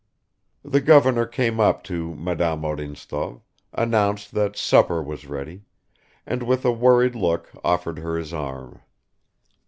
The governor came up to Madame Odintsov, announced that supper was ready, and with a worried look offered her his arm.